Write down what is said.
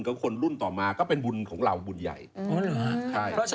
ก็คนละนี้เล็กคนละนอก